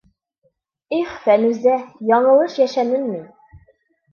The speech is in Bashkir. Их, Фәнүзә, яңылыш йәшәнем мин.